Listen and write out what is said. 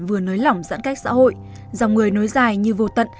vừa nới lỏng giãn cách xã hội dòng người nối dài như vô tận